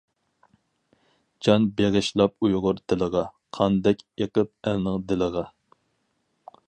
جان بېغىشلاپ ئۇيغۇر تىلىغا، قاندەك ئېقىپ ئەلنىڭ دىلىغا.